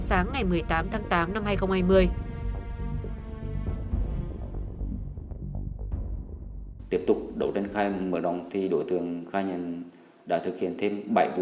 sáng ngày một mươi tám tháng tám năm hai nghìn hai mươi